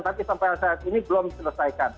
tapi sampai saat ini belum diselesaikan